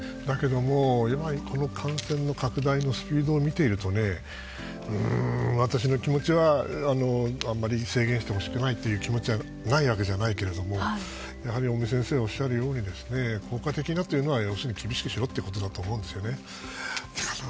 だけど、今この感染拡大のスピードを見ていると私の気持ちはあまり制限してほしくないという気持ちが気持ちはないわけじゃないけれどもやはり尾身先生がおっしゃるように効果的なというのは要するに厳しくしろということだと思うんですね。